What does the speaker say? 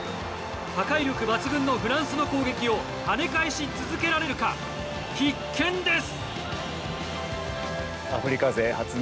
破壊力抜群のフランスの攻撃を跳ね返し続けられるか必見です。